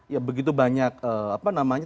ya begitu banyak apa namanya